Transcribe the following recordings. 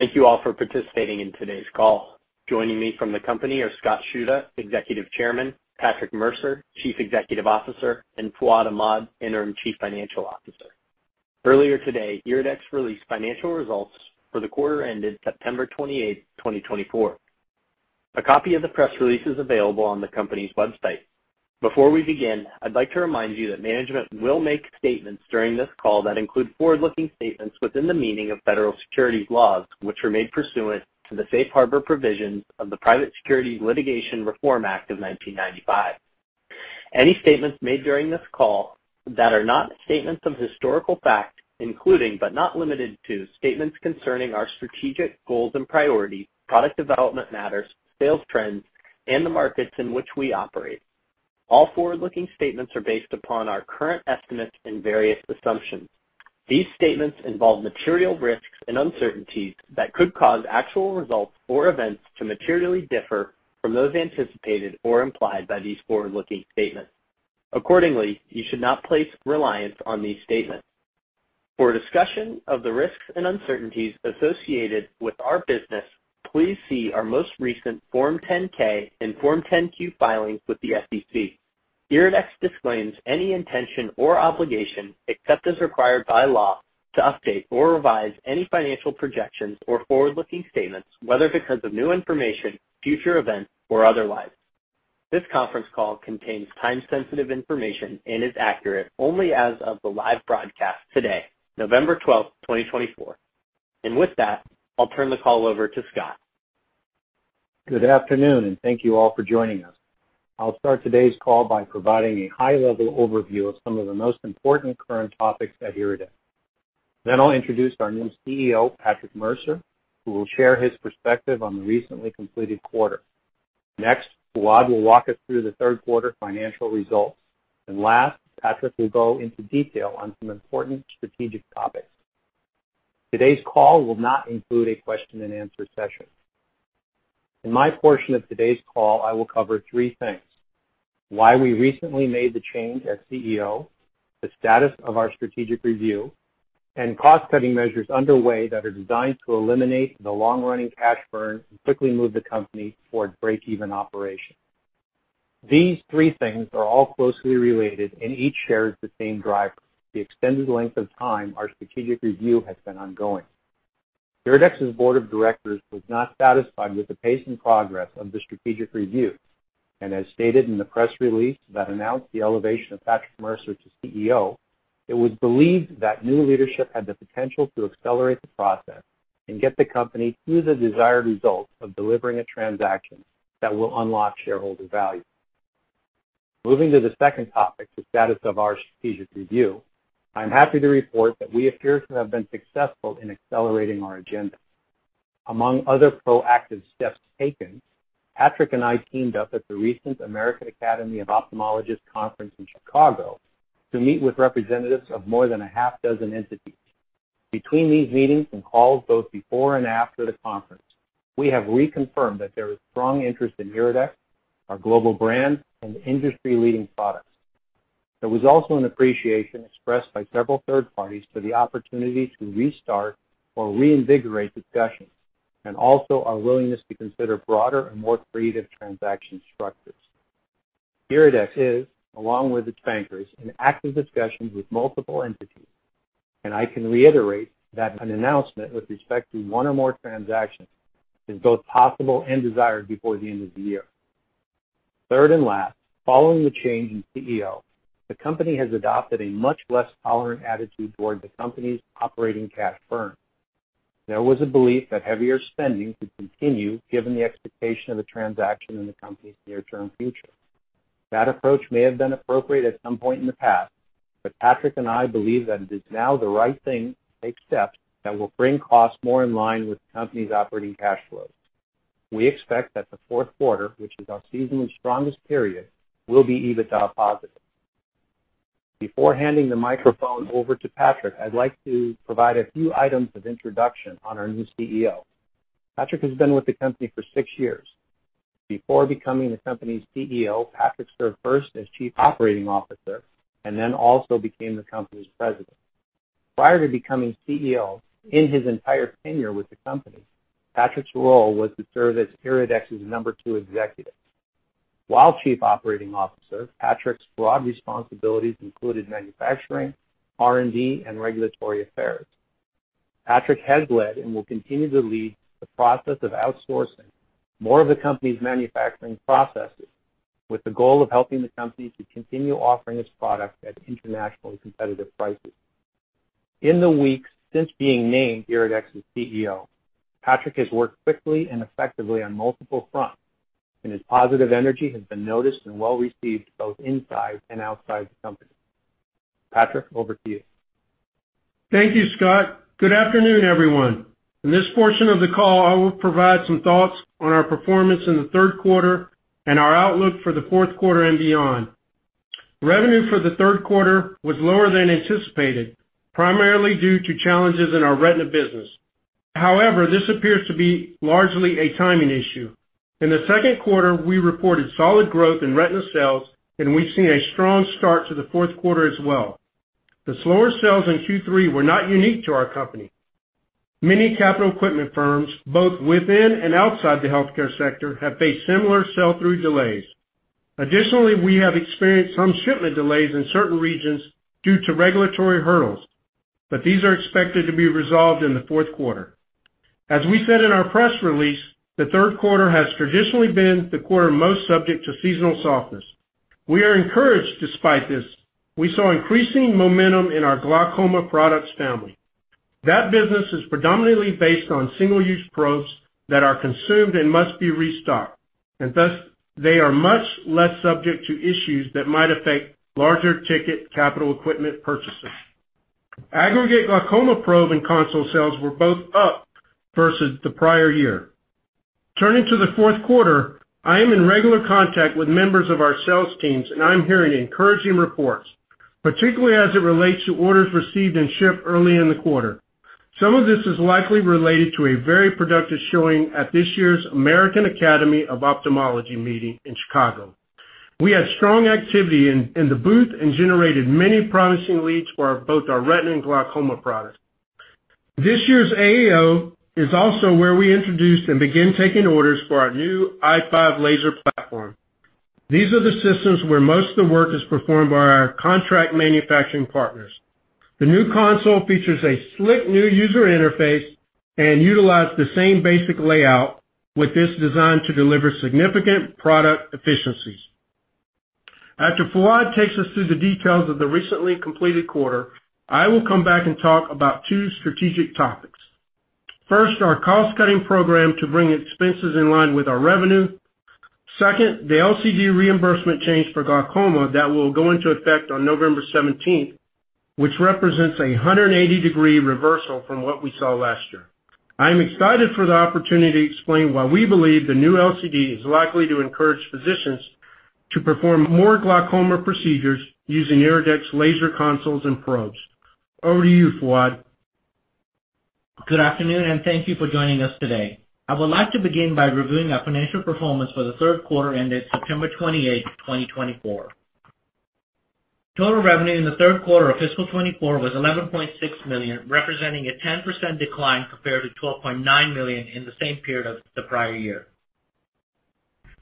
Thank you all for participating in today's call. Joining me from the company are Scott Shuda, Executive Chairman, Patrick Mercer, Chief Executive Officer, and Fuad Ahmad, Interim Chief Financial Officer. Earlier today, IRIDEX released financial results for the quarter ended September 28, 2024. A copy of the press release is available on the company's website. Before we begin, I'd like to remind you that management will make statements during this call that include forward-looking statements within the meaning of federal securities laws, which are made pursuant to the safe harbor provisions of the Private Securities Litigation Reform Act of 1995. Any statements made during this call that are not statements of historical fact, including but not limited to statements concerning our strategic goals and priorities, product development matters, sales trends, and the markets in which we operate, all forward-looking statements are based upon our current estimates and various assumptions. These statements involve material risks and uncertainties that could cause actual results or events to materially differ from those anticipated or implied by these forward-looking statements. Accordingly, you should not place reliance on these statements. For discussion of the risks and uncertainties associated with our business, please see our most recent Form 10-K and Form 10-Q filings with the SEC. IRIDEX disclaims any intention or obligation, except as required by law, to update or revise any financial projections or forward-looking statements, whether because of new information, future events, or otherwise. This conference call contains time-sensitive information and is accurate only as of the live broadcast today, November 12, 2024. And with that, I'll turn the call over to Scott. Good afternoon, and thank you all for joining us. I'll start today's call by providing a high-level overview of some of the most important current topics at IRIDEX. Then I'll introduce our new CEO, Patrick Mercer, who will share his perspective on the recently completed quarter. Next, Fuad will walk us through the Q3 financial results. And last, Patrick will go into detail on some important strategic topics. Today's call will not include a question-and-answer session. In my portion of today's call, I will cover three things: why we recently made the change as CEO, the status of our strategic review, and cost-cutting measures underway that are designed to eliminate the long-running cash burn and quickly move the company toward break-even operation. These three things are all closely related, and each shares the same driver: the extended length of time our strategic review has been ongoing. IRIDEX's board of directors was not satisfied with the pace and progress of the strategic review, and as stated in the press release that announced the elevation of Patrick Mercer to CEO, it was believed that new leadership had the potential to accelerate the process and get the company to the desired results of delivering a transaction that will unlock shareholder value. Moving to the second topic, the status of our strategic review, I'm happy to report that we appear to have been successful in accelerating our agenda. Among other proactive steps taken, Patrick and I teamed up at the recent American Academy of Ophthalmology conference in Chicago to meet with representatives of more than a half dozen entities. Between these meetings and calls both before and after the conference, we have reconfirmed that there is strong interest in IRIDEX, our global brand, and industry-leading products. There was also an appreciation expressed by several third parties to the opportunity to restart or reinvigorate discussions and also our willingness to consider broader and more creative transaction structures. IRIDEX is, along with its bankers, in active discussions with multiple entities, and I can reiterate that an announcement with respect to one or more transactions is both possible and desired before the end of the year. Third and last, following the change in CEO, the company has adopted a much less tolerant attitude toward the company's operating cash burn. There was a belief that heavier spending could continue given the expectation of a transaction in the company's near-term future. That approach may have been appropriate at some point in the past, but Patrick and I believe that it is now the right thing to take steps that will bring costs more in line with the company's operating cash flows. We expect that the Q4, which is our seasonally strongest period, will be EBITDA positive. Before handing the microphone over to Patrick, I'd like to provide a few items of introduction on our new CEO. Patrick has been with the company for six years. Before becoming the company's CEO, Patrick served first as Chief Operating Officer and then also became the company's president. Prior to becoming CEO, in his entire tenure with the company, Patrick's role was to serve as IRIDEX's number two executive. While Chief Operating Officer, Patrick's broad responsibilities included manufacturing, R&D, and regulatory affairs. Patrick has led and will continue to lead the process of outsourcing more of the company's manufacturing processes with the goal of helping the company to continue offering its products at internationally competitive prices. In the weeks since being named IRIDEX's CEO, Patrick has worked quickly and effectively on multiple fronts, and his positive energy has been noticed and well received both inside and outside the company. Patrick, over to you. Thank you, Scott. Good afternoon, everyone. In this portion of the call, I will provide some thoughts on our performance in the Q3 and our outlook for the Q4 and beyond. Revenue for the Q3 was lower than anticipated, primarily due to challenges in our retina business. However, this appears to be largely a timing issue. In the Q2, we reported solid growth in retina sales, and we've seen a strong start to the Q4 as well. The slower sales in Q3 were not unique to our company. Many capital equipment firms, both within and outside the healthcare sector, have faced similar sell-through delays. Additionally, we have experienced some shipment delays in certain regions due to regulatory hurdles, but these are expected to be resolved in the Q4. As we said in our press release, the Q3 has traditionally been the quarter most subject to seasonal softness. We are encouraged despite this. We saw increasing momentum in our glaucoma products family. That business is predominantly based on single-use probes that are consumed and must be restocked, and thus they are much less subject to issues that might affect larger ticket capital equipment purchases. Aggregate glaucoma probe and console sales were both up versus the prior year. Turning to the Q4, I am in regular contact with members of our sales teams, and I'm hearing encouraging reports, particularly as it relates to orders received and shipped early in the quarter. Some of this is likely related to a very productive showing at this year's American Academy of Ophthalmology meeting in Chicago. We had strong activity in the booth and generated many promising leads for both our retina and glaucoma products. This year's AAO is also where we introduced and began taking orders for our new I5 laser platform. These are the systems where most of the work is performed by our contract manufacturing partners. The new console features a slick new user interface and utilizes the same basic layout, with this designed to deliver significant product efficiencies. After Fuad takes us through the details of the recently completed quarter, I will come back and talk about two strategic topics. First, our cost-cutting program to bring expenses in line with our revenue. Second, the LCD reimbursement change for glaucoma that will go into effect on November 17, which represents a 180-degree reversal from what we saw last year. I am excited for the opportunity to explain why we believe the new LCD is likely to encourage physicians to perform more glaucoma procedures using IRIDEX laser consoles and probes. Over to you, Fuad. Good afternoon, and thank you for joining us today. I would like to begin by reviewing our financial performance for the Q3 ended September 28, 2024. Total revenue in the Q3 of fiscal 2024 was $11.6 million, representing a 10% decline compared to $12.9 million in the same period of the prior year.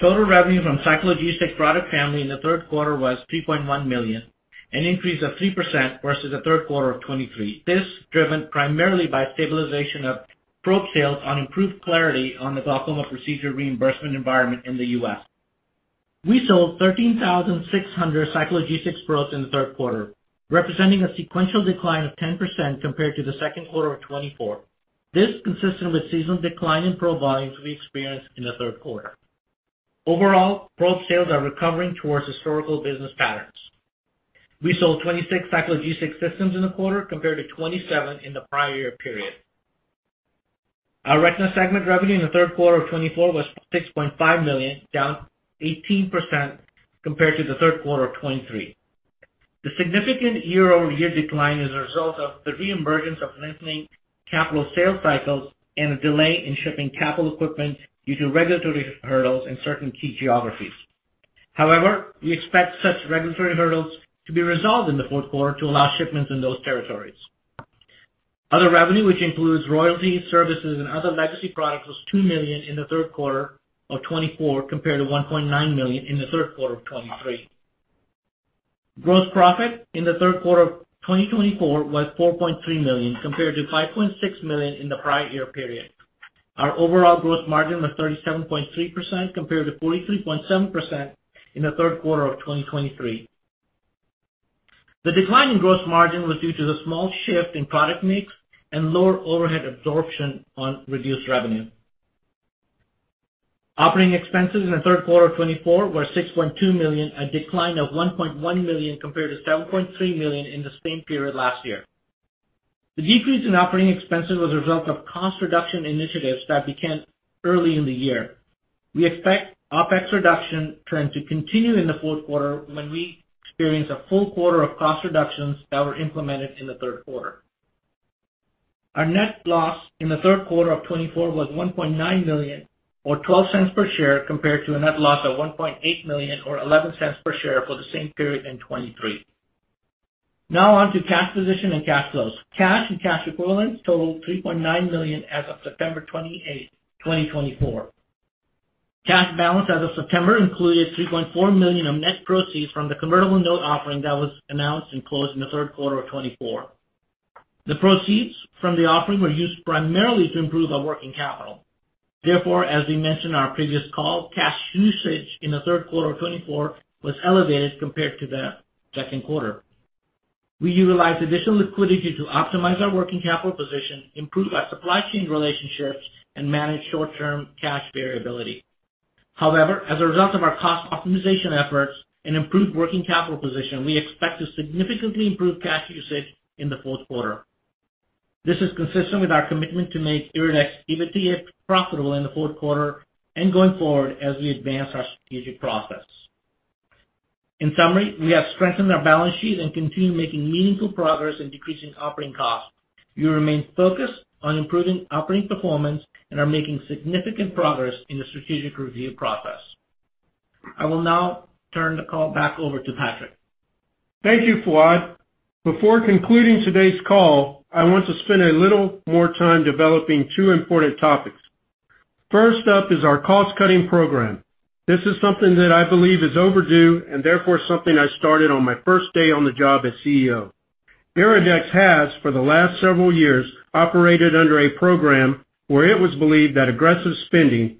Total revenue from Cyclo G6 product family in the Q3 was $3.1 million, an increase of 3% versus the Q3 of 2023. This was driven primarily by stabilization of probe sales on improved clarity on the glaucoma procedure reimbursement environment in the U.S. We sold 13,600 Cyclo G6 probes in the Q3, representing a sequential decline of 10% compared to the Q2 of 2024. This is consistent with the seasonal decline in probe volumes we experienced in the Q3. Overall, probe sales are recovering towards historical business patterns. We sold 26 Cyclo G6 systems in the quarter compared to 27 in the prior year period. Our retina segment revenue in the Q3 of 2024 was $6.5 million, down 18% compared to the Q3 of 2023. The significant year-over-year decline is a result of the reemergence of lengthening capital sales cycles and a delay in shipping capital equipment due to regulatory hurdles in certain key geographies. However, we expect such regulatory hurdles to be resolved in the Q4 to allow shipments in those territories. Other revenue, which includes royalties, services, and other legacy products, was $2 million in the Q3 of 2024 compared to $1.9 million in the Q3 of 2023. Gross profit in the Q3 of 2024 was $4.3 million compared to $5.6 million in the prior year period. Our overall gross margin was 37.3% compared to 43.7% in the Q3 of 2023. The decline in gross margin was due to the small shift in product mix and lower overhead absorption on reduced revenue. Operating expenses in the Q3 of 2024 were $6.2 million, a decline of $1.1 million compared to $7.3 million in the same period last year. The decrease in operating expenses was a result of cost reduction initiatives that began early in the year. We expect OpEx reduction trends to continue in the Q4 when we experience a full quarter of cost reductions that were implemented in the Q3. Our net loss in the Q3 of 2024 was $1.9 million, or $0.12 per share, compared to a net loss of $1.8 million, or $0.11 per share for the same period in 2023. Now on to cash position and cash flows. Cash and cash equivalents totaled $3.9 million as of September 28, 2024. Cash balance as of September included $3.4 million of net proceeds from the convertible note offering that was announced and closed in the Q3 of 2024. The proceeds from the offering were used primarily to improve our working capital. Therefore, as we mentioned in our previous call, cash usage in the Q3 of 2024 was elevated compared to the Q2. We utilized additional liquidity to optimize our working capital position, improve our supply chain relationships, and manage short-term cash variability. However, as a result of our cost optimization efforts and improved working capital position, we expect to significantly improve cash usage in the Q4. This is consistent with our commitment to make IRIDEX even profitable in the Q4 and going forward as we advance our strategic process. In summary, we have strengthened our balance sheet and continue making meaningful progress in decreasing operating costs. We remain focused on improving operating performance and are making significant progress in the strategic review process. I will now turn the call back over to Patrick. Thank you, Fuad. Before concluding today's call, I want to spend a little more time developing two important topics. First up is our cost-cutting program. This is something that I believe is overdue and therefore something I started on my first day on the job as CEO. IRIDEX has, for the last several years, operated under a program where it was believed that aggressive spending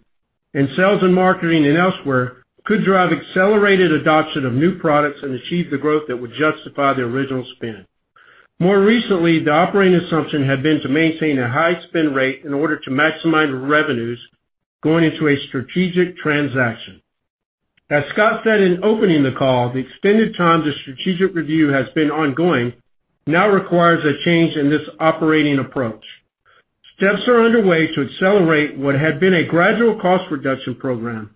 in sales and marketing and elsewhere could drive accelerated adoption of new products and achieve the growth that would justify the original spend. More recently, the operating assumption had been to maintain a high spend rate in order to maximize revenues going into a strategic transaction. As Scott said in opening the call, the extended time to strategic review has been ongoing, now requires a change in this operating approach. Steps are underway to accelerate what had been a gradual cost reduction program.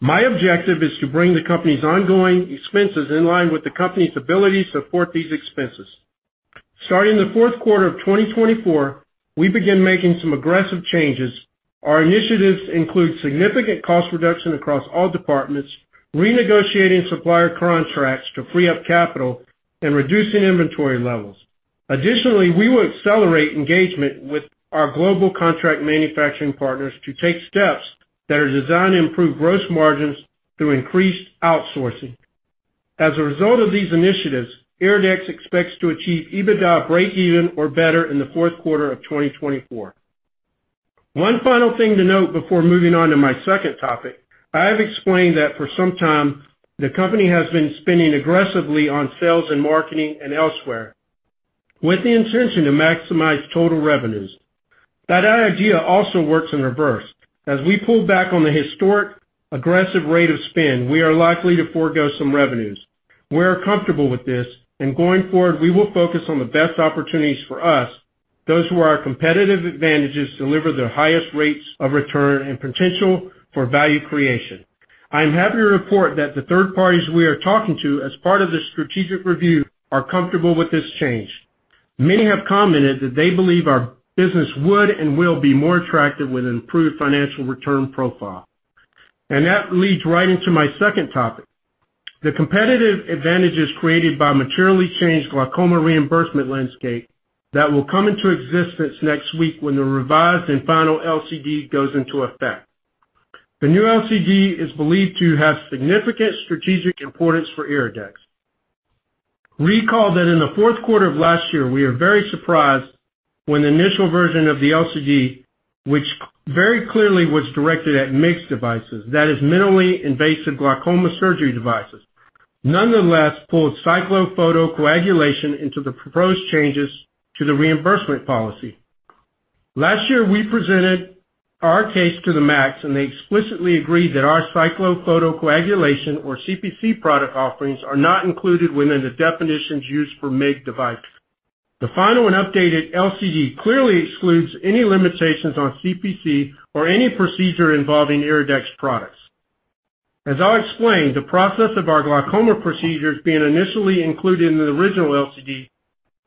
My objective is to bring the company's ongoing expenses in line with the company's ability to afford these expenses. Starting the Q4 of 2024, we began making some aggressive changes. Our initiatives include significant cost reduction across all departments, renegotiating supplier contracts to free up capital, and reducing inventory levels. Additionally, we will accelerate engagement with our global contract manufacturing partners to take steps that are designed to improve gross margins through increased outsourcing. As a result of these initiatives, IRIDEX expects to achieve EBITDA break-even or better in the Q4 of 2024. One final thing to note before moving on to my second topic. I have explained that for some time, the company has been spending aggressively on sales and marketing and elsewhere with the intention to maximize total revenues. That idea also works in reverse. As we pull back on the historic aggressive rate of spend, we are likely to forgo some revenues. We are comfortable with this, and going forward, we will focus on the best opportunities for us, those who are our competitive advantages, deliver the highest rates of return and potential for value creation. I am happy to report that the third parties we are talking to as part of the strategic review are comfortable with this change. Many have commented that they believe our business would and will be more attractive with an improved financial return profile. And that leads right into my second topic. The competitive advantages created by materially changed glaucoma reimbursement landscape that will come into existence next week, when the revised and final LCD goes into effect. The new LCD is believed to have significant strategic importance for IRIDEX. Recall that in the Q4 of last year, we were very surprised when the initial version of the LCD, which very clearly was directed at MIGS devices, that is, minimally invasive glaucoma surgery devices, nonetheless pulled cyclophotocoagulation into the proposed changes to the reimbursement policy. Last year, we presented our case to the MAC, and they explicitly agreed that our cyclophotocoagulation, or CPC, product offerings are not included within the definitions used for MIGS device. The final and updated LCD clearly excludes any limitations on CPC or any procedure involving IRIDEX products. As I'll explain, the process of our glaucoma procedures being initially included in the original LCD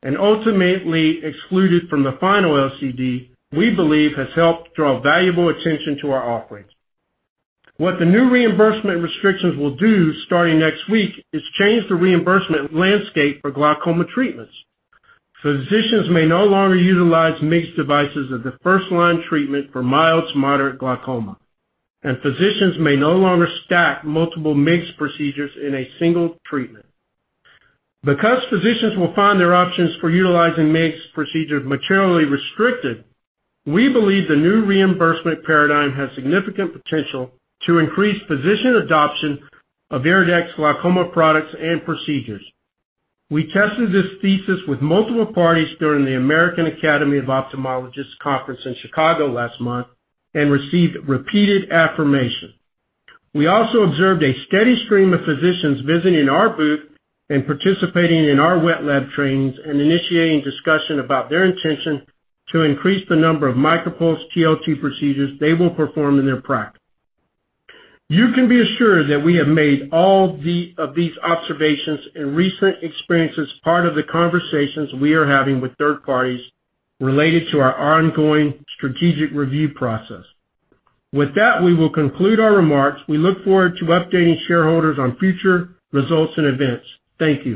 and ultimately excluded from the final LCD, we believe, has helped draw valuable attention to our offerings. What the new reimbursement restrictions will do starting next week is change the reimbursement landscape for glaucoma treatments. Physicians may no longer utilize MIGS devices as the first-line treatment for mild to moderate glaucoma, and physicians may no longer stack multiple MIGS procedures in a single treatment. Because physicians will find their options for utilizing MIGS procedures materially restricted, we believe the new reimbursement paradigm has significant potential to increase physician adoption of IRIDEX glaucoma products and procedures. We tested this thesis with multiple parties during the American Academy of Ophthalmology conference in Chicago last month and received repeated affirmation. We also observed a steady stream of physicians visiting our booth and participating in our wet lab trainings and initiating discussion about their intention to increase the number of MicroPulse TLT procedures they will perform in their practice. You can be assured that we have made all of these observations and recent experiences part of the conversations we are having with third parties related to our ongoing strategic review process. With that, we will conclude our remarks. We look forward to updating shareholders on future results and events. Thank you.